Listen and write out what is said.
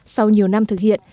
sau nhiều năm thực hiện